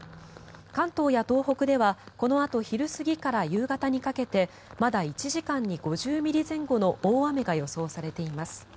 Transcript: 関東や東北ではこのあと昼過ぎから夕方にかけてまだ１時間に５０ミリ前後の大雨が予想されています。